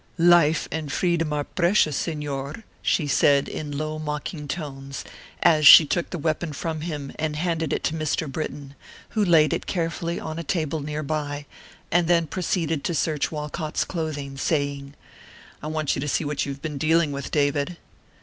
"Life and freedom are precious, Señor!" she said, in low, mocking tones, as she took the weapon from him and handed it to Mr. Britton, who laid it carefully on a table near by, and then proceeded to search Walcott's clothing, saying. "I want you to see what you have been dealing with, David."